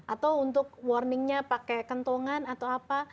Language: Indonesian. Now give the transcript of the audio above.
atau untuk warningnya pakai kentongan atau apa